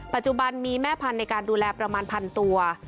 ปัจจุบันมีแม่พันธุ์ในการดูแลประมาณพันตัว